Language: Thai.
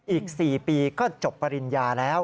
อีก๔ปีก็จบปริญญาแล้ว